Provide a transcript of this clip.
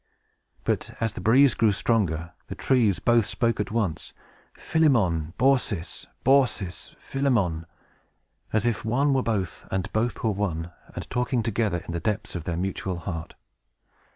But, as the breeze grew stronger, the trees both spoke at once, "Philemon! Baucis! Baucis! Philemon!" as if one were both and both were one, and talking together in the depths of their mutual heart.